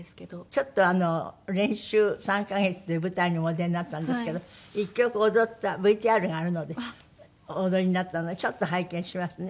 ちょっと練習３カ月で舞台にもお出になったんですけど１曲踊ったＶＴＲがあるのでお踊りになったのでちょっと拝見しますね。